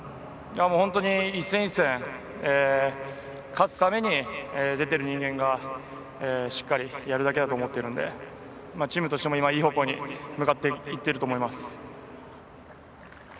本当に一戦一戦勝つために出ている人間がしっかりやるだけだと思うのでチームとしても今、いい方向に向かっていっていると思います。